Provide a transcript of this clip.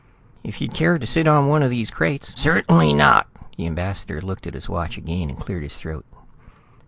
"If you'd care to sit on one of these crates " "Certainly not." The ambassador looked at his watch again and cleared his throat.